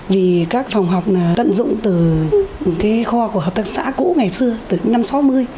vì các phòng học tận dụng từ kho của hợp tác xã cũ ngày xưa từ năm sáu mươi